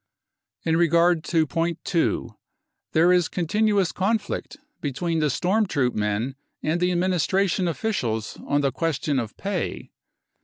u In regard to point 2 : there is continuous conflict be H tween the storm troop men and the administration ; officials on the question of pay.